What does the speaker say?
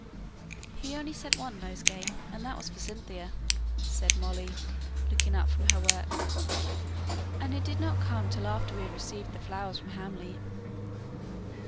"He only sent one nosegay, and that was for Cynthia," said Molly, looking up from her work. "And it did not come till after we had received the flowers from Hamley."